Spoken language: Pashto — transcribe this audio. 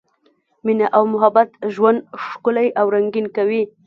مینه او محبت ژوند ښکلی او رنګین کوي.